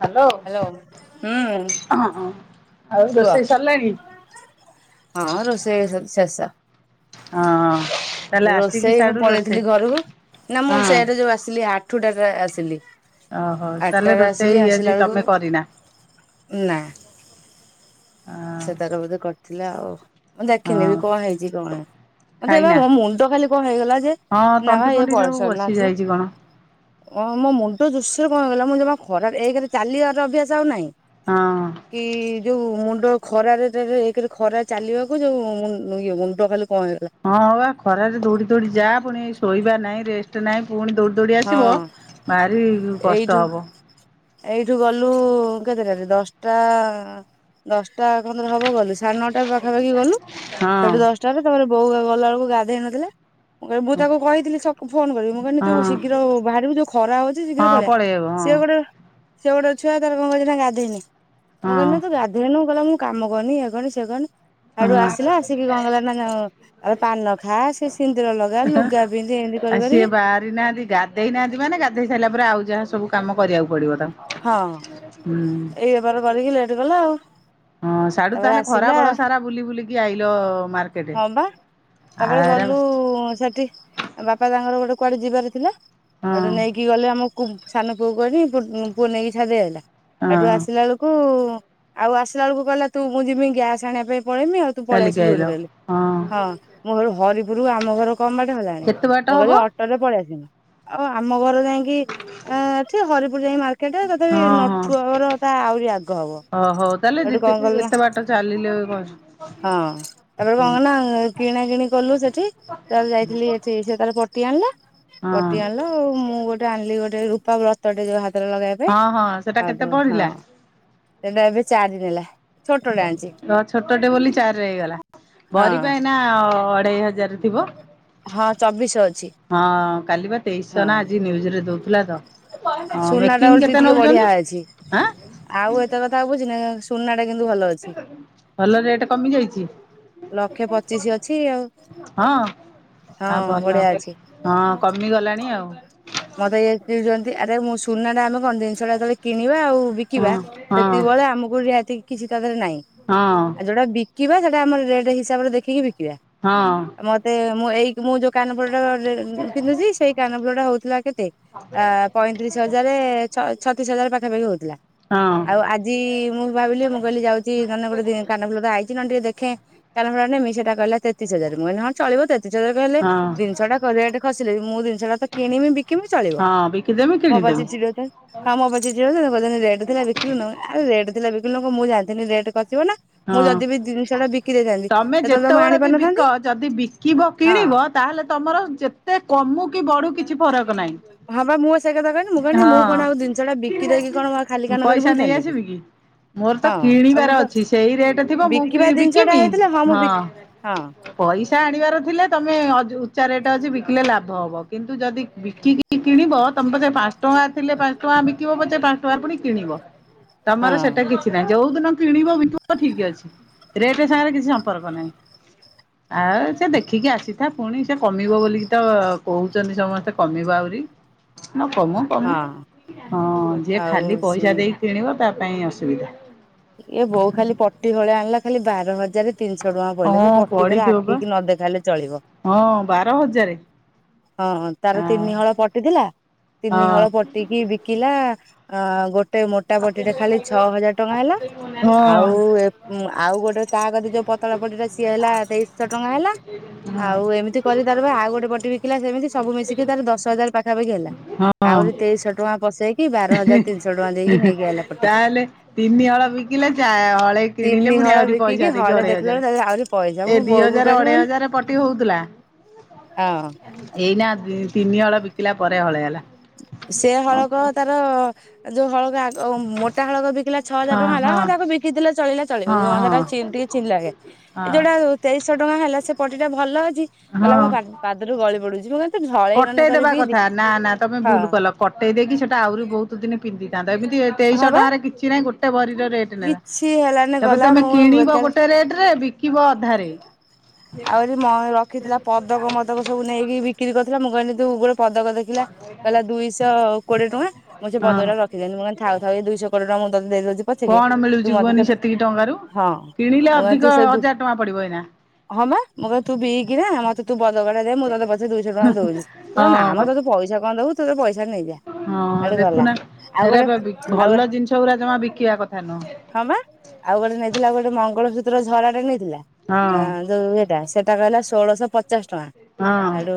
Hello ହୁଁ ହଁ। କୁହ ହଁ, ରୋଷେଇ ସବୁ ଶେଷ। ହଁ। ରୋଷେଇ ମୁଁ ପଳେଇଥିଲି ଘରକୁ ନା ମୁଁ ସେଆଟା ଯୋଉ ଆସିଲି ଆଠୁଟା ରେ ଆସିଲି। ଓହୋ ତାହେଲେ ଆଠଟାରେ ରୋଷେଇ ଆସିଲି, ଆସିଲା ବେଳକୁ ନା। ସେ ତାର ବୋଧେ କରିଥିଲେ ଆଉ ମୁଁ ଦେଖିନି ବି କଣ ହେଇଛି କଣ। ମତେ ଏବେ ଏଇନା ମୋ ମୁଣ୍ଡ ତ ଖାଲି କଣ ହେଇଗଲା ଯେ ହଁ ନ ବା ଇଏ ଏଠି ସବୁ ପରିଚନ ବସି ନଥିଲେ। ଯାଇଛି କଣ ଓ ମୋ ମୁଣ୍ଡ ଦୁ କଣ ହେଇଗଲା ମୁଁ ଜମା ଖରା ଏକରେ ଚାଲିବାର ଅଭ୍ୟାସ ଆଉ ନାହିଁ ହଁ କି ଯୋଉ ମୁଣ୍ଡ ଖରାରେଏକରେ ଖରା ଚାଲିବାକୁ ଯୋଉ ଇ ମୁଣ୍ଡ ଖାଲି କଣ ହେଇଗଲା ହଁ ହ ବା ଖରାରେ ଦୌଡି ଦୌଡି ଯା ପୁଣି ଶୋଇବା ନାହିଁ, ରେଷ୍ଟ ନାହିଁ। ପୁଣି ଦୌଡି ଦୌଡି ଆସିବ, ହଁ ବାହାରି ଏଇଠୁ କଷ୍ଟ ହବ। ଏଇଠୁ ଗଲୁ କେତେଟାରେ? ଦଶଟା ଦଶଟା ଖଣ୍ଡେ ହବ ଗଲୁ ସାଢେ ନଅଟା ପାଖ ପାଖାପାଖି ଗଲୁ ସେଠି ହଁ ଦଶଟାରେ ତାପରେ ବୋଉ ଗଲାବେଳକୁ ଗାଧୋଇ ନଥିଲା। ମୁଁ କିଲ ମୁଁ ତାକୁ କହିଥିଲି ଫୋନ କରିବି ମୁଁ କହିଲି ତୁ ଶୀ ଶୀଘ୍ର ହଁ ବାହାରିବୁ ଯୋଉ ଖରା ହଉଛି ଶୀଘ୍ର ହଁ ପଳେଇଆ ପଳେଇବ ହଁ ସିଏ ଗୋଟେ ସେ ଗୋଟେ ଛୁଆ ତାର କଣ କରିଛି ନା ଗାଧୋଇନି ମୁଁ କହିଲି ନା ତୁ ହଁ ଗାଧେଇନୁ କ ଗଲା ମୁଁ କାମ କରନି ୟେ କରନି ସେ କରନି। ଆଡୁ ହଁ ଆସିଲା ଆସିକି କଁ କଲାନା ଆ ପାନ ଖା ସେ ସିନ୍ଦୁର ଲଗା ଲୁଗା ପିନ୍ଧି କରି ଆଉ ସିଏ କରିକି ବାହାରି ନାହାନ୍ତି ଗାଧେଇ ନାହାନ୍ତି ମାନେ ଗାଧେଇ ସାଇଲା ପରେ ଆଉ ଯାହା ସବୁ କାମ କରିବାକୁ ପଡିବ ତମ ହଁ, ଏଇ ବେପାର କରିକି ଲେଟ୍ କଲା ଆଉ। ହଁ ସାଢୁ ତାପରେ ତାହେଲେ ଆସିଲା ଖରାବେଳ ସାରା ବୁଲି ବୁଲିକି ଆଇଲ। ମାର୍କେଟ ହଁ ବା ତାପରେ ଆରା ଗଲୁ ସେଠି ବାପା ତାଙ୍କର ଗୋଟେ କୁଆଡେ ଯିବାର ଥିଲା ହଁ ଆଉଠୁଁ ନେଇକି ଗଲେ ଆମକୁ ସାନପୁଅ କହିଲି ପୁଅ ନେଇକି ଛାଡି ଦେଇକି ଆଇଲା। ଏଠୁ ହଁ ଆସିଲା ବେଳକୁ ଆଉ ଆସିଲା ବେଳକୁ କହିଲା ତୁ ମୁଁ ଯିମି ଗ୍ୟାସ ଆଣିବା ପାଇଁ ପଳେଇମି ଆଉ ତୁ ପଳେଇ ଚାଲିକି ଆସିବୁ ଆଇଲ ଯୋଉଥିରେହେଲେ ହଁ ମୁଁ ହରିପୁର ଆମ ଘର କମବାଟ ହେଲାଣି। କେତେ ବାଟ ମୁଁ ହବ? କହିଲି ଅଟୋରେ ପଳେଇ ଆସିମି। ଆଉ ଆମ ବର ଯାଇକି ଏଠିଁ ହରିପୁର ଯାଇକି ମାର୍କେଟ ତଥାପି ହଁ ହଁ ନଠୁର ତା ଆହୁରି ଆଗ ହବ। ହ ହଉ ତାହେଲେ ଏଠି ଯେତେ କଣ କଲି ନା ଏତେ ବାଟ ଚାଲିଲେ କଣ ହଁ ତାପ କଣ ନା କିଣା କିଣି କ ଠି ତା ଯାଇଥିଲି ସେଠି ତା ପଟି ଆଣିଲା ହଁ ପଟି ଆଣିଲା ଆଉ ଗୋଟ ଆଣିଲି ଗୋଟେ ରୂପାବ୍ରତଟେ ଯୋ ହାତ ଲଗେଇବା ପାଇଁ ହଁ ହଁ ସେଟା କେତେ ଆଉଠୁ ହଁ ପଡିଲା? ସେଟା ଏବେ ଚାରି ନେଲା। ଛୋଟଟେ ଆଣିଛି ତ ଛୋଟଟେ ବୋଲି ଚାରିରେ ହେଇଗଲା ହଁ ଭରି ପା ଏଇନା। ଅଢେଇ ହଜାର ଥିବ। ହଁ ଚବିଶ ଅଛି ହଁ କାଲି ବା ତେଇଶଶ ନା ଆଜି ନିଉଜରେ ଦଉଥିଲା ତ। ହଁ ସୁନା ଟା ମେକିଂ ଓଲଟି କେତେ ଟିକେ ବଢିଆ ନଉଛନ୍ତିଁ? ଅଛି ଆଁ? ଆଉ ଏତେ କଥା ବୁଝିନା ସୁନା ଟା କିନ୍ତୁ ଭଲ ଅଛି ଭଲ ରେଟ କମି ଯାଇଛି? ଲକ୍ଷେ ପଚିଶି ଅଛି ଆଉ ହଁ। ହଁ ଆଉ ଭଲ, ବଢିଆ ଅଛି ହଁ କମିଗଲାଣି ଆଉ। ମତେ ଇଏ ଚିଡୁଛନ୍ତି ଆରେ ମୁଁ ସୁନାଟା ଆମେ କଣ, ଜିନିଷଟା ଯେତେବେଳେ କିଣ ଣିବା ଆଉ ହଁ ବିକିବା ହଁ। ସେତିକି ବେଳେ ଆମକୁ ରିହାତି କିଛି କାଗଜ ନହିଁ ଆଉ ହଁ ଯୋଉଟା ବିକ ବିକିବା ସେଇଟା ଆମର ରେଟ୍ ହିସାବରେ ଦେଖିକି ବିକିବା, ହଁ। ମତେ ମୁଁ ଏଇ ମୁଁ ଯୋଉ କାନ ଫୁଲଟା ପିନ୍ଧୁଛି ସେଇ କାନ ଫୁଲଟା ହଉଥିଲା। ଅ ପଇଁତିରିଶ ହଜାର ଛତିଶ ହଜାର ପାଖାପାଖି ହଉଥିଲା। ହଁ ଆଉ ଆଜି ମୁଁ ଭାବିଲି ମୁଁ କହିଲି ଯାଉଛି ନହେଲେ ଗୋଟେ ଦି କାନଫୁଲ ତ ଆଇଛି ନ ଟିକେ ଦେଖି- ଖେ କାନଫୁଲ ନେମି ସେଟା କହିଲା ତେତିଶ ହଜାର ମୁଁ କହିଲି ହଁ ଚଳିବ ଦେ - ଯଉ କହିଲେ ହଁ ଜିନିଷ ଟା ହେଲେ ଜିନିଷଟା ରେଟ୍ ଖସିଲେ ମୁଁ ଜିନିଷଟା ତ କିଣିବି ବିକିମି ଚଳିବ। ହଁ ବିକିଦେମି କିଣିଦେମି [unintelligible] ଚିଲର ନାହିଁ। ରେଟଥିଲା ବିକିଲୁ ନୁ ଆଉ ରେଟ୍ ଥିଲା ଵିକୁ - କେମିତି କଣ ମୁଁ ଜାଣିଥିଲି ରେଟ କ - ମୁଁ ହଁ। ଯଦି ବି ଜିନିଷଟା ବିକି ଦେଇଥାନ୍ତୀ। ତମେ ଯେତେବେଳେ ବି ବିକ ଯଦି ବିକିବ ହଁ। କିଣିବ ତାହେଲେ ତମର ଯେତେ କମୁ କି ବଢୁ କିଛି। ଛି ଫରକ ନାହିଁ। ହଁ ବା ମୁଁ ସେଇ କଥା କହିଲି ମୁଁ କହିନି ମୁଁ କଣ ଆଉ ଜିନିଷ ଟା ବିକି ଦେଇକି କଣ ଖାଲି କାନ କରି ପଇସା ନେଇ ବୁଲିଥାନ୍ତି। ଆସିବି କି ମୋର ତ ହଁ ଆଉ କିଣିବାର ତ ଅଛି ସେଇ ରେଟ ଥିବ ମୁଁ ବିକିବା କିଣି ଜିନିଷଟା ବିକିବି ହେଇଥିଲେ ମୁଁ ହଁ। ବିକି ହଁ ପଇସା ଆଣିବାର ଥିଲେ ତମେ ଅଜୁ - ରେଟ ଅଛି ବିକିଲେ ଲାଭ ହବ କିନ୍ତୁ ଯଦି ବିକିକି କିଣିବ ତମେ ପାଛେ ପାଞ୍ଚ ଟଙ୍କା ଥିଲେ ପାଞ୍ଚ ଟଙ୍କା- ବିକିବ ପଛେ ପାଞ୍ଚ ଟଙ୍କା ପୁଣି କିଣିବ ହଁ। ତମର ସେଟା କିଛି ନାହିଁ ଯୋଉ ଦିନ କିଣିବ ବ ବିକି- ହ ଠିକ ଅଛି ରେପେ ସାଙ୍ଗରେ କିଛି ସମ୍ପର୍କ ନାହିଁ। ଆଉ ସେ ଦେଖିକି ଆସିଥା ପୁଣି ସେ କମିବ ବୋଲିକି ତ କହୁଛି। ଛନ୍ତି ସମସ୍ତେ କମିବ ଆହୁରି। ହଁ କମୁ କମୁ ହଁ ହଁ ଯିଏ ଆଉ ଖାଲି ଶୁ ପଇସା ଦେଇକି କିଣିବ ତା ପାଇଁ ଅସୁବିଧା। ଇଏ ବୋଉ ଖାଲି ପଟି ହଳି ଆଣିଲା ଖାଲି ବାର ହଜାର। ତିନିଶହ ଟଙ୍କା ପଇଲା ସେ ହଁ ପଟିିବାରେ ପଡିଥିବ ପା ଆଖିକି ନ ଦେଖାଇଲେ ଚଳିବ। ଯାରେ ହଁ ହଁ ତାର ତିନି ହଳ ପଟିଥିଲା ତିନି ହଁ। ହଳ ପଟିକି ବିକିଲା। ଅ ଗୋଟେ ମୋଟା ପଟିଟେ ଖାଲି ଛଅ ହଜାର ଟଙ୍କା ହେଲା। ହଁ ଆଉ ଏ ଆଉ ଗୋଟେ ତାର ବି ଯୋଉ ପତଳା ପଟିଟା ସିଏ ହେଲା ତେଇଶ ଶହ ଟଙ୍କା ହେଲା। ଆଉ ଏମିତି କରି ତାର ଆଉ ଗୋଟେ ପଟେ ବିକିଲା ସେମିତି ସବୁ ମିଶିକି ତାର ଦଶ ହଜାର ପାଖାପାଖି ହେଲା। ହଁ ଆହୁରି ତେଇଶହ ଟଙ୍କା ପସେଇ- [unintelligible] ପଟି ତାହେଲେ ତିନି ହଳ ବିି ବିକିଲା ଯା ହଳେ କିଣିଲେ ତିନି ପୁଣି ହଳ ଆହୁରି ବିକିକି ପଇଷା ଦେଇକି ହଳେ ଅଢେଇ ଦେଖିଲା ହଜାର ବେଳକୁ ତା ଦେହରେ ଆହୁରି ପଇସା ଏ ମୁଁ ଦି ବୋଉକୁ ହଜାର କହିଲି ମୁଁ ଅଢେଇ କହିଲି ହଜାର ପଟି ହୋଉଥିଲା ହଁ ଏଇନା ତିନି ହଳ ବିକିଲା ପରେ ହଳେ ହେଲା। ସେ ହଁ ହଳକ ତାର ଯୋଉ ହଳକ ଆ ତ ମୋଟା ହଳ ବିକିଲା ଛଅ ହଜାର ଟଙ୍କା ହେଲା ହଁ ତାକୁ ବିକି ଦେଲା ଚଳିଲା ଚଳିବ ନ ହଁ ହେରା ଛିଣ୍ଡି [unintelligible] ଲାଗେ। ଏ ହଁ ଯୋଉଟା ତେଇଶହ ଟଙ୍କା ହେଲା ସେ ପଟି ଟା ଭଲ ଅଛି କହିଲା ମୋ ପା-ପାଦରୁ ଗଳି ପଡୁଚି। ମୁଁ କହିଲି କଟେଇଦବା କଥା ନା ନା ତ ମେ ହଁ ଭୁଲ କଲ କଟେଇ ଦେଇକି ସେଟା ଆହୁରି ବୋହୁତୁ ଦିନି ପିନ୍ଧିଥାନ୍ତତା ଏମିତି ହଁ ତେଇଶହ ବା ଟଙ୍କାରେ କିଛି ନାହିଁ ଗୋଟେ ଭରି ର ରେଟ୍ ନେଲା କିଛି ହେଲାନି ତାପରେ ଗଲା ତମେ ମୁଁ କିଣିବ ବେକାର ଗୋଟେ ରେଟ୍ ରେ ବିକିବ ଅଧାରେ। ଆହୁରି ମ ରଖିଥିଲା ପଦକ ମଦକ ସବୁ ନେଇକି ବିକ୍ରି କରିଥିଲା। ମୁଁ କହିଲି ତୁ ଗୋଡ ପଦକ ଦେଖିଲା କହିଲା ଦୁଇଶହ କୋଡିଏ ଟଙ୍କା। ମୁଁ ସେ ହଁ। ପଦକଟା ରଖିଦେନି। ମୁଁ କହିଲି ଥାଉ ଥାଉ ଏଇ ଦୁଇଶହ କୋଡିଏ ଟଙ୍କା ମୁଁ ତତେ ଦେଇ ଦୋଉଚି ପଛକେ କଣ ମିଳୁଛି ତୁ ମତେ କୁହନି ସେ ସେତିକି ଟଙ୍କାରୁ ହଁ କିଣିଲେ ମୁଁ କହଲି ଅଧିକ ତୁ ସେ ଧୁ ହଜାର ଟଙ୍କା ପଡିବ ଏଇନା। ହଁ ବା ମୁଁ କଇଲି ତୁ ବିକିନା ମତେ ତୁ ବ ପଦକଟା ଦେ ମୁଁ ତତେ ପଛେ ଦୁଇଶହ ଟଙ୍କା ଦୋଉଚି। କହିଲା ନା ହଁ ବା ମ ତତେ ପଇଷା କଣ ଦୋବୁ ତୁ ସେଇ ପଇଷା ନେଇଯା। ହଁ ଆଡେ ଗଲା ଦେଖୁନା ଆଉ ଗୋଟେ ହେରାପା ବି ଆଉ ଗୋଟେ ଭଲ ଜିନିଷ ଗୁରା ଜମା ବିକିବା କଥା ନୁହଁ। ହଁ ବା ଆଉ ଗୋଟେ ନେଇଥିଲା ଆଉ ଗୋଟେ ମଙ୍ଗଳସୂତ୍ର ଝରାଟେ ନେଇଥିଲା ହଁ ଆ ସେଟା କହିଲା ଷୋଳଶହ ପଚାଶ ଟଙ୍କା ହଁ ଆଡୁ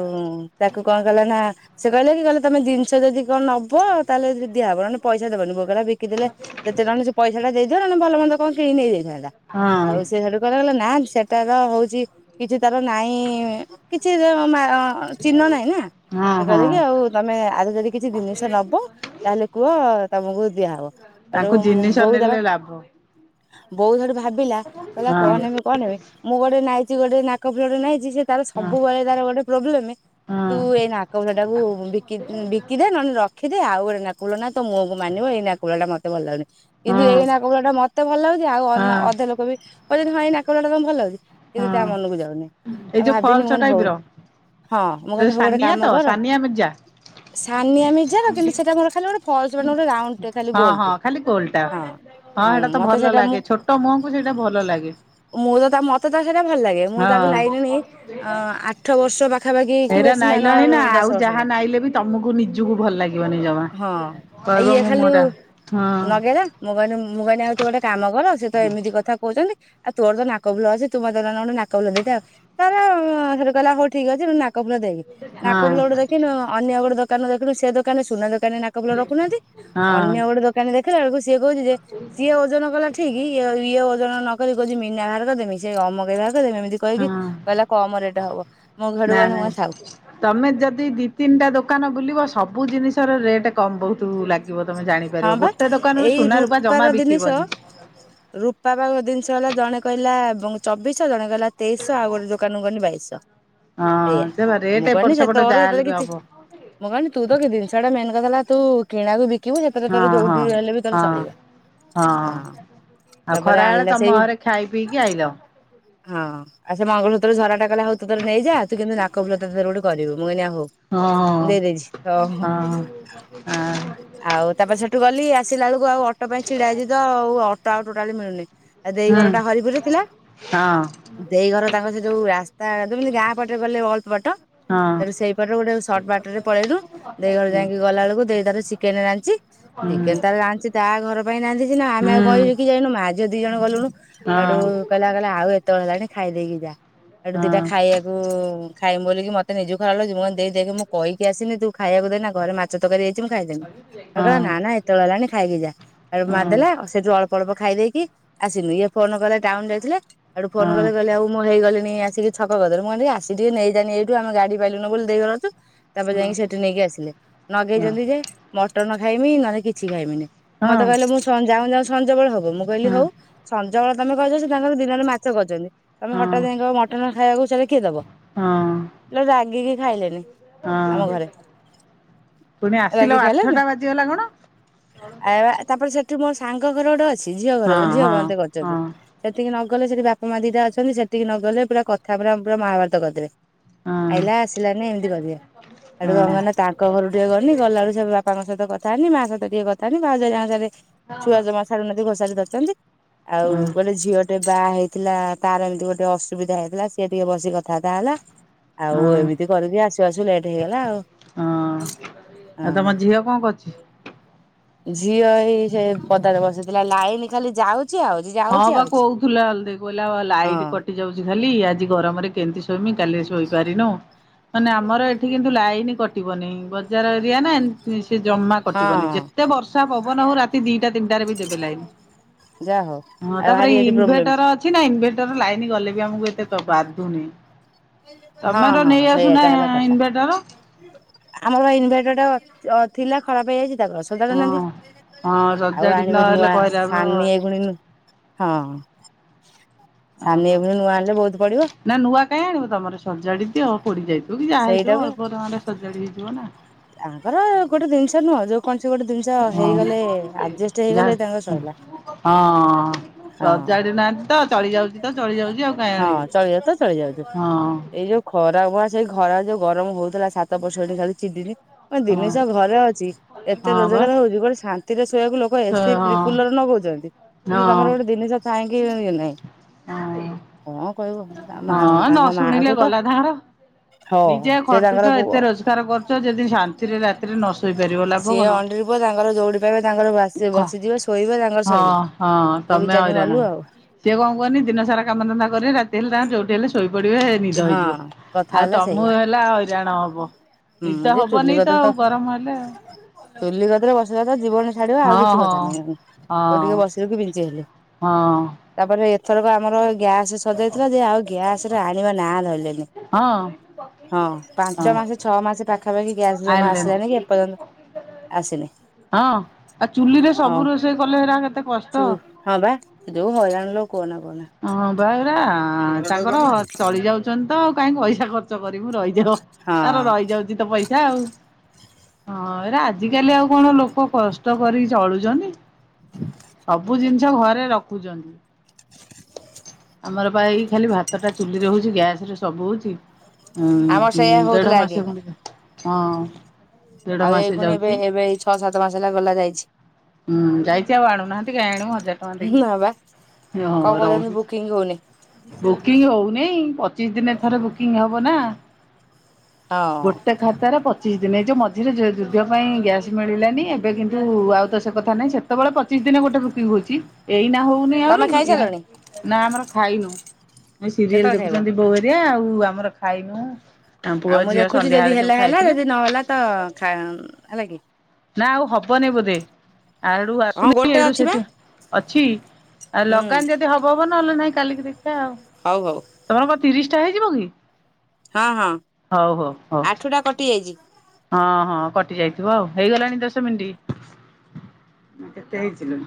ତାକୁ କଣ କଲାନା ସେ କହିଲେ କି କହିଲେ ତମେ ଜିନିଷ ଯଦି କଣ ନବ ତାହେଲେ ଯ ଦିଆହବ ନହେନେ ପଇଷା ଦେବନି ବୋ କହିଲା ବିକିଦେଲେ ଯେତେ [unintelligible] ସେ ପଇଷା ଦେଇଦିଅ ନହେଲେ ଭଲ ମନ୍ଦ କଣ କିଣକି ନେଇ ଯାଇଥାନ୍ତି। ଜା ହଁ ଆଉ ସେ ସେଠୁ କହିଲା କହିଲା ନା ସେଟା ତ ହଉ ଚି କିଛି ତାର ନାଇଁ କିଛି ତାର ମା ଚିହ୍ନ ନାହିଁ ନା ହଁ ସେ କହିଲେ ହଁ। କି ଆଉ ତମେ ଆର ଯଦି କିଛି ଦିନିଷ ନବ ତାହେଲେ କୁହ ତମକୁ ଦିଆହବ। ହେଠୁ ତାଙ୍କୁ ଜିନିଷ ବୋଉ ତାର ନେଲେ ଲାଭ ହଁ ବୋଉ ହେଟୁ ଭାବିଲା କହିଲା ହଁ କଣ ନେମି କଣ ନେମି ମୁଁ ଗୋଟେ ନାଇଚି ଗୋଟେ ନାକ ଫୁଲ ଗୋଟେ ନାଇଚି ସେ ତାର ହଁ ସବୁବେଳେ ତାର ଗୋଟେ ପ୍ରୋବ୍ଲେମ ହଁ। ତୁ ଏଇ ନାକ ଫୁଲଟାକୁ ବିକି ବିକିଦେ ନହେଲେ ରଖ ରଖି ଦେ ଆଉ ଗୋଟେ ନାକ ଫୁଲ ନା ତୋ ମୁହଁ କୁ ମାନିବ ଏଇ ନାକ ଫୁଲ ଟା ମତେ ଭଲ ଲାଗୁନି। କିନ୍ତୁ ଏଇ ନାକ ଫୁଲ ଟା ମତେ ଭଲ ଲାଗୁଚି ଆଉ ଅନ ହଁ ଅଧେ ଲୋକ ବି କହଚନ୍ତି ହଁ ଏଇ ନାକ ଫୁଲ ଟା ତମକୁ ଭଲ ଲାଗୁଚି। କିନ୍ତୁ ତା ହଁ ମନକୁ ଯାଉନି ଏଇ ଆ ଯୋଉ ଭାବିନି ଫଲସ ମୁଁ କହିଲି ଟାଇପ ହଉ ର ହଁ ମୁଁ କହିଲି ହୋଉ ଗଟେ ସାନିଆ ତ କାମ କର ସାନିଆ ମିର୍ଜା। ସାନିଆ ମିର୍ଜା ର କିନ୍ତୁ ସେଟା ମୋର ଖାଲି ଗୋଟେ ଫଲସ ମାନେ ଗୋଟେ ରାଉଣ୍ଡ ଟେ ଖାଲି ହଁ ହଁ ଗୋଲଟେ ଖାଲି ଗୋଲଟା ହଁ। ହଁ ଆଉ ହେଟା ତ ମତେ ଭଲ ସେଇଟା ମୁଁ ଲାଗେ ଛୋଟ ମୁହଁକୁ ସେଇଟା ଭଲ ଲାଗେ। ମୁଁ ତ ତା ମ ହଁ ଅ ଆଠ ବର୍ଷ ପାଖାପାଖି କି ଏରା ବେଶୀ ନଅ ନାଇଲଣି ନା ଦଶ ଆଉ ଜା ବର୍ଷ ତାହା ହେଲା ନାଇଁଲେ ବି ତମକୁ ନିଜକୁ ଭଲ ଲାଗିବନି ଜମା ହଁ ଆଉ କହିବ ଇଏ ମୁଁ ମୋ ଖାଲି ଟା ନଗେଇଲା ମୁଁ କହିନି ମୁଁ କହିନି ଆଉ ତୁ ଗୋଟେ କାମ କର ସେ ତ ଏମିତି କଥା କହୁଚନ୍ତି ଆଉ ତୋର ତ ନାକ ଫୁଲ ଅଛି ତୁ ମତେ ନହେଲେ ଗୋଟେ ନାକଫୁଲ ଦେଇଥା ଆଉ [unintelligible] ସେଠୁ କହିଲା ହଉ ଠିକ୍ ଅଛି ତୁ ନାକ କ ଫୁଲ ଦେଖ ହଁ ନାକଫୁଲ ଗୋଟ ଦେଖିନୁ ଅନ୍ୟ ଗୋଟେ ଦୋକାନ ରେ ଦେଖିଲୁ ସେ ଦୋକାନ ସୁନା ଦୋ ଦୋକାନରେ ନାକ ଫୁଲ ରଖୁନାହାନ୍ତି ହଁ ଅନ୍ୟ ଗୋଟେ ଦୋକାନୀ ଦେଖିଲା ବେଳକୁ ସେ ସିଏ କହୁଚି ଯେ ସିଏ ଓଜନ କଲା ଠିକ ଇଏ ଇଏ ଓଜନ ନକରିକି କହୁଚି ମିନା ବାହାର କରି ଦେମି। ସେ ଆମକେଇ ବା ଏମିତି କହିକି ହଁ। କହିଲା କମ ରେଟ ହବ ମୁଁ ହେଠୁ ନା କହିଲି ନା ମୁଁ କହିଲି ଥାଉ। ତମେ ଯଦି ଦି ତିନିଟା ଦୋକାନ ବୁଲିବ ସବୁ ଜିନିଷ ର ରେଟ୍ କମ ବହୁତ ଲାଗିବ। ତମେ ହଁ ଜାଣିପାରିବ ବା ଗୋଟେ ଦୋକାନରୁ ଏଇ ସୁନ ରୂପା ଜମା ରୂପାର ଜିନିଷ ବିକିବନି। ରୂପା ପାଖ ଜିନିଷ ହେଲା ଜଣେ କହିଲା। ଏବଂ ଚବିଶ ଜଣେ ହେଲା ତେଇଶ ଆଉ ଗୋଟେ ଦୋକାନ ଗନି ବାଇଶ। ହଁ ଏଇଆ ସେ ବା ରେଟ୍ ମୁଁ ଏପଟ କହିନି ସେ ସେପଟ ତୋର ସେ ଯାହାହେଲେ ବି କିଛି। ହବ ମୁଁ କହିନି ତୁ ତ କି ଜିନିଷ ଟା ମେନ୍ କଥା ହେଲା ତୁ କିଣାକୁ ବିକ- କେ ଯେତେ ତୋର ହଁ ହଁ ଯୋଉଠୁ ହେଲେ ବି ତୋର ହଁ। ଚଳିବ ହଁ। ଆଉ ତାପରେ ଖରା ବେଳେ ଆଣିଲା ତମ ସେଇ ଘରେ ଖାଇ ପିଇକି ଆଇଲ। ହଁ ଆଉ ସେ ମଙ୍ଗଳସୂତ୍ର ଝରା ଟା କଲେ ହଉ ତୁ ତାହେଲେ ନେଇଯା ତୁ କିନ୍ତୁ ନାକ ଫୁଲ ତର ଗୋଟେ କରିବୁ। ମୁଁ କହିନି ଆ ହଉ ହଁ ଦେଇଦେଇଛି ହ ହ। ହଁ ହଁ ଆଉ ତାପରେ ସେଠୁ ଗଲି ଆସିଲା ବେଳକୁ ଆଉ ଅଟୋ ପାଇଁ ଛିଡାଇଛି ତ ଆଉ ଅଟୋ ଆଉ ଟୋଟାଲି ମିଳୁନି। ଆ ଦେଇ ହୁଁ ଘରଟା ହରିପୁରରେ ଥିଲା ହଁ ଦେଇ ଘର ତାଙ୍କ ସେ ଯୋଉ- ହଁ ତା ଗାଁପଟରେ ଗଲେ ବହୁତ ବାଟ। ହଁ ସେ ସେଇପଟରେ ଗୋଟେ ସର୍ଟ ବାଟରେ ପଳେଇଲୁ ଦେଇ ଘର ହୁଁ ଯାଇକି ଗଲା ବେଳକୁ ଦେଇ ତାର ସି। କେନେ ଜାଣିଛି। ହୁଁ ଚିକେନ ତାର ଜାଣିଛି ତା ଘର ପାଇଁ ରାନ୍ଧିଛି ନା ଆମେ ଆଉ କହିହ କିି ଯାଇନୁ ମା ଝିଅ ଦି ଜଣ ଗଲୁଣୁ ଆଉ। ହଁ ହଁ ହଁ ହଁ ହଁ ସେଠୁ ହଁ କହିଲା କହିଲା ଆଉ ଏତେବେଳ ହେଲାଣି ଖାଇଦେଇକି ଯା ଏଠୁ ହଁ ଦିଟା ଖାଇବାକୁ- ଖାଇମୁଁ ବୋଲିକି ମୋତେ ନିଜ ଖରାପ ଲାଗଛି ମୁଁ କ ଦେଇ ଦେଖି ମୁଁ କହିକି ଆସିନି ତୁ ଖାଇକୁ ଦେଏନା ଘରେ ମାଛ ତକାରୀ ହେଇଛି ମୁଁ ଖାଇଦି- ନା ହଁ ନା ଏତେବେଳେ ହେଲାଣି ଖାଇକି ଯାଆ ସେଠୁ ମା ଦେଲା ଅଳ୍ପ- ଅଳ୍ପ ଖାଇ ଦେଇକି ଆସିଲି ଇଏ ଫୋନ କଲେ ଟାଉନ ଯାଇଥିଲେ ଆଠୁ ଫୋନ କଲେ ଗଲେ ଆଉ ମୁଁ ହେଇଗଲି - ଆସିକି ଛକ ପାଖରୁ ମୁଁ କହିନି ଆସିକି ନେଇ ଯା ଏଇଠୁ ଆମ ଗାଡି ପାଇଲୁନୁ ବୋଲି ଦି ଜଣ ଅଛୁ। ତାପରେ ଯାଇକି ସେଠୁ ନେଇକି ଆସିଲେ ନଗେଇଛନ୍ତି ଯେ। ମଟନ ଖାଇମି ନହେଲେ କିଛି ଖାଇମିନି ହଁ ହଁ ହଁ ମୋତେ କହିଲେ ମୁଁ ଯାଉ ଯାଉ ସଞ୍ଜବେଳ ହବ। ମୁଁ କହିଲି ହଉ ସଞ୍ଜ ବଳେ ତମେ କହିଛ ସେ ତାଙ୍କର ଦିନରେ ମାଛ କହିଛନ୍ତି। ତମେ ହଠାତ୍ ଯାଇକି କହିବ ମଟନ ଖାଇବାକୁ ଚାଲେ କିଏ ଦବ? ରାଗିକି ଖାଇଲେଣିି ଆମ ଘରେ। ପୁଣି ରାଗିକି ଆସିଲା ଖାଇଲେନି ଆଠଟା ବାଜିଗଲା କଣ। ଆ ତାପରେ ସେଠି ମୋ ସାଙ୍ଗ ଘର ଗୋଟେ ଅଛି ଝିଅ ଘର ହଁ ଝିଅ ହଁ ମୋତେ କରି ହଁ ହଁ ଛନ୍ତି ସେତିକି ନ- ଗଲେ ସେଠି ବାପା ମା ଦିଟା ଅଛନ୍ତି ସେଠିକି ନ ଗଲେ ପୁରା କଥା ପୁରା ପୁରା ମହାଭାରତ କରିଦେବେ। ହଁ ଆଇଲା ଆସିଲାନି ଏମିତି କହିବେ ସେଡୁ କଣ ହଁ କନି ତାଙ୍କ ଘରୁ ଟିକେ ଗନି ଗଲା ବେଳକୁ - ବାପାଙ୍କ ସହିତ କଥା ହେନି ମା ସହିତ ଟିକେ କଥା ହେନି ଭାଉଜଙ୍କ ସହ ହେରି ଛୁଆ ଜମା ଛାଡୁ ନହାନ୍ତି ଘଷାରି ଧରଛନ୍ତି। ଆଉ ହଁ କହିଲେ ଝିଅଟେ ବାହା ହେଇ- ଥିଲା ତାର ଏମିତି ଗୋଟେ ଅସୁବିଧା ହେଇଥିଲା ସିଏ ଟିକେ ବସିକି କଥା ବାର୍ତ୍ତା ହେଲା। ଆଉ ଏମିତି କରିକି ଆସୁ ଆସୁ ଲେଟ୍ ହେଇଗଲା ଆଉ। ହଁ ଆଉ ହଁ। ତମ ଝିଅ କଣ କରୁଛି? ଝିଅ ହେଇ ସେ ପଦାରେ ବସିଥିଲା ଲାଇନ ଖାଲି ଯାଉଛି। ଆଉଛି ହଁ ଯାଉଛି ବା ଆଉଛି। କହୁଥିଲା କହିଲା ଲାଇଟ ହଁ କଟି ଯାଉଛି। ଖାଲି ଆଜି ଗରମରେ କେମିତି ଶୋଇମି କାଲି ଶୋଇପାରିନୁ। ମାନେ ଆମର ଏଠି କିନ୍ତୁ ଲାଇନ କଟିବନି ବଜାର ଏରିଆ ନା। ସେ ଜମା କଟିବନି ହଁ ଯେତେ ବର୍ଷା ପବନ ହଉ ରାତି ଦିଟା ତିନିଟାରେ ବି ଦେବେ ଲାଇନ। ଯା ହଉ ହଁ ଆଉ ତାପରେ ଭାରି ଏଠି ପ୍ରୋବ୍ଲେମ। ଇନଭେଟର ଅଛି ନା ଇନଭେଟର ଲାଇନ ଗଲେ ବି ଆମକୁ ଏତେ ବାଧୁନି। ହଁ ତମର ହଁ ନେଇ ଆସୁନା ସେଇଆକା ହେଲା କଥା ଇନଭେଟର ଆମର ଇନଭେଟର ଟା। ଅ ଥିଲା ଖରାପ ହେଇଯାଇଛି। ହଁ ହଁ [unintelligible] ଆଉ ସଜାଡି ଆଣିବେ ନହେଲେ ନୂଆ [unintelligible] କହିଲେ ଆମେ ହଁ ହଁ ସାନି ନୂଆ ଆଣିଲେ ବହୁତ ପଡିବ। ନା ନୂଆ କାହିଁ ଆଣିବ ତମର ସଜାଡି ଦିଅ ପୋଡି ଯାଇଥିବ କି ଯାହା ହେଇଯିବ ସେଇଟାକୁ ଅଳ୍ପ ଦାମ୍ ରେ ସଜାଡି ହେଇଯିବ ନା। ତାଙ୍କର ଗୋଟେ ଜିନିଷ ନୁହଁ ଯୋଉ କୌଣସି ଗୋଟେ ଜିନିଷ ହଁ ହେଇଗଲେ ଆଜେଷ୍ଟ ଯା ହେଇଗଲେ ତାଙ୍କର ସ‌ଇଲା। ହଁ ସଜାଡି ନାହାନ୍ତି। ତ ଚଳି ଯାଉଛି ତ ଚଳି ଯାଉଛି ଆଉ କାହିଁ ହଁ ଆଣିବି। ଚଳି ଯାଉ ତ ଚଳି ଯାଉଚୁ ହଁ ଏଇ ଯୋଉ ଖରା ଭୁଆ ସେଇ ଘ ଖରା ଯୋଉ ଗରମ ହୋଉଥିଲା ଛାତ ଉପରେ ଶୋଇଲି ଖାଲି ଚିଡିିଲି। [unintelligible] ହଁ ଜିନିଷ ଘରେ ଅଛି ଏତେ ହଁ ବା ରୋଜଗାର ହୋଉଚି। ଗୋଟେ ଶାନ୍ତିରେ ଶୋଇବାକୁ ଲୋକ ସେ ଏସି ହଁ ଫ୍ରି କୁଲର ନଗୋଉଚନ୍ତି କିନ୍ତୁ ହଁ ତମର ଗୋଟେ ଜିନିଷ ଥାଇଁକି ବି ଇଏ ନାହିଁ। ହଁ କଂ ହଁ ନ ଶୁଣିଲେ ଗଲା ତାଃଙ୍କର ହଁ ନିଜେ ସେ ତାଙ୍କର ଖଟୁଚ ପୁଅ ଏତେ ରୋଜଗାର କରୁଚ। ଯଦି ଶାନ୍ତିରେ ରାତିରେ ନ ଶୋଇପାରିବ ଲାଭ ସିଏ କଣ। ଅଣ୍ଡିରିବ ତାଙ୍କର ଦୌଡି ପାଇବା ତାଙ୍କର ଖ ବସିଯିବ ଶୋଇବ ତାଙ୍କର ସୋଇଲା ହଁ ହଁ ତୁ ତମେ ବିଚାରି ହଇରାଣ। ମଲୁ ଆଉ। ସିଏ କଣ କରୁନି ଦିନ ସାରା କାମଧନ୍ଦା କର ରାତି ହେଲେ ତାଙ୍କ ଯୋଉଠି ହେଲେ ଶୋଇପଡିବ ନିଦ ହଁ ହେଇଯିବ। କଥା ଆଉ ହେଲା ତମକୁ ସେଇଆ। ହେଲା ହଇରାଣ ହବ। ହୁଁ ନିଦ ସେ ଚୁଲି ହବନି ଗଦରେ ଆଉ ତ ଗରମ ହେଲେ ଚୁଲି ଗଦରେ ବସିଲା ତ ଜୀବନ ଛାଡିବା ଆଉ ହଁ କିଛି କଥା ହଁ। ନାହିଁ କୋଉ ହଁ ଟିକେ ବସିବିକ କି ପଞ୍ଚି ହେଲେ ହଁ। ଥରକ ଆମର ଗ୍ୟାସ ସରିଯାଇଥିଲା ଯେ ଆଉ ଗ୍ୟାସ ରେ ଆଣିବା ନା ଧରଲେ ନି। ହଁ। ହଁ ହଁ ପାଞ୍ଚ ମାସ ଛଅ ମାସ ପାଖ ଖାପାଖି ଗ୍ୟାସ ଜମା ଆଇଲେଣି। ଆସିଲାନି କି ଏପର୍ଯ୍ୟନ୍ତ ଆସିନି। ହଁ ଆଉ ଚୁଲିରେ ହଁ ସବୁ ରୋଷେଇ କଲେ ହେରା କେତେ ତୁ କଷ୍ଟ। ହଁ ଭାଇ ଯୋଉ ହଇ ରାଣ ଲୋ। କୁହନା କୁହନା ହଁ ପା। ପା ତାଙ୍କର ଚଳି ଯାଉଛନ୍ତି ତ ଆଉ କାହିଁକି ପଇସା ଖର୍ଚ୍ଚ କରି ରହିଯିବ ତାର ହଁ। ରହି ଯାଉଛି ତ ପଇସା ଆଉ। ହଁ ଏରା ଆଜିକାଲି ଆଉ କଣ ଲୋକ କଷ୍ଟ କରିକି ଚଳୁଛନ୍ତି? ସବୁ ଜିନିଷ ଘରେ ରଖୁଛନ୍ତି। ଆମର ବା ଏଇ ଖାଲି ଭାତ ଟା ଚୁଲି ରହୁଛି ଗ୍ୟାସ ରେ ସବୁ ହଉଛି। ଆମର ସେଇଆ ଉ ଦେଢ ହଉଥିଲା ଆଗେ ମାସ ହଁ। ଦେଢ ଆଉ ଏଇ ମାସ ଖୁଣି ଯାଉଛି ଏବେ ଏବେ ଏଇ ଛଅ ସାତ ମାସ ହେଲା ଗଲା ଯାଇଛି। ହୁଁ ଯାଇଛି ଆଉ ଆଣୁନାହାନ୍ତି କା ଆଣିବ ହଜାର ଟଙ୍କା ଦେଇକି। ନା ବା କଣ କହୁଛନ୍ତି ବୁକିଂ ହଉନି ବୁକିଂ ହଉ। ନେଇ ପଚିଶ ଦିନ ଥର ବୁକିଂ ହବ ନା ହଁ ଗୋଟେ ଖାତାରେ ପଚିଶ ପଚିଶ ଦିନ ଏ ଯେଉଁ ମଝିରେ ଯୁଦ୍ଧ ପାଇଁ ଗ୍ୟାସ୍ ମିଳିଲାନି ଏବେ କିନ୍ତୁ ଆଉ ତ ସେ କଥା ନାହିଁ ସେତେବେଳେ ପଚିଶ ଦିନ ଗୋଟେ ରି ହଉଛି ଏଇ ନା ହଉ ନି ଆହୁରି ତମେ ଖାଇସାରିଲଣି ନା ଆମର ଖାଇନୁ ସିରିଏଲ କେତେବେଳେ ଖାଇବ ଦେଖୁଛନ୍ତି ବୋଉ ହେରିଆ ଆଉ ତୁ ଆମର ଖାଇନୁ। ପୁଅ ଆଉ ମୁଁ ଝିଅ ଦେଖୁଛି ଯଦି ସନ୍ଧ୍ୟାବେଳେ ସବୁ ହେଲା ହେଲା ଖାଇଥିଲେ ଯଦି ନହେଲା ତ ହେଲା କି। ନା ଆଉ ହବନି ବୋଧେ। ଆଡୁ ହଁ ଆସୁନି ଗୋଟେ ଏଡୁ ଅଛି ବା ସେଠ ଅଛି ଆ ହୁଁ ଲଗାନି ଯଦି ହବ ହବ ନହେଲେ ନାଇଁ କାଲିକି ଦେଖିବା ଆଉ ହଉ ହଉ ତମର କଣ ତିରିଶ ଟା ହେଇଯିବ କି? ହଁ ହଁ ହଉ ହଉ ହଉ ଆଠୁ ଟା କଟି ଯାଇଛି। ହଁ ହଁ କଟି ଯାଇଥିବ ଆଉ ହେଇଗଲାଣି ଦଶ ମିନିଟ୍। ମ କେତେ ହେଇଛିି ଲୋ?